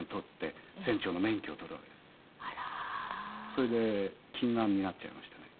それで近眼になっちゃいましてね。